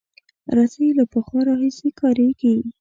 رسۍ له پخوا راهیسې کارېږي.